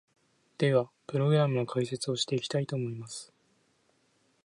では、プログラムの解説をしていきたいと思います！